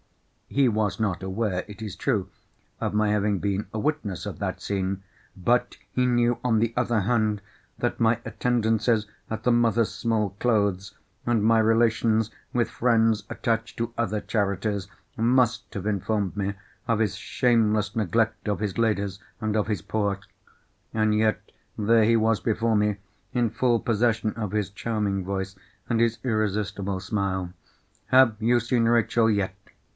He was not aware, it is true, of my having been a witness of that scene. But he knew, on the other hand, that my attendances at the Mothers' Small Clothes, and my relations with friends attached to other charities, must have informed me of his shameless neglect of his Ladies and of his Poor. And yet there he was before me, in full possession of his charming voice and his irresistible smile! "Have you seen Rachel yet?"